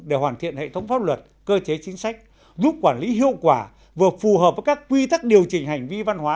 để hoàn thiện hệ thống pháp luật cơ chế chính sách giúp quản lý hiệu quả vừa phù hợp với các quy tắc điều chỉnh hành vi văn hóa